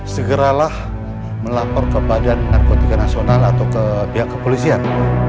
segeralah melapor ke badan narkotika nasional atau ke pihak kepolisian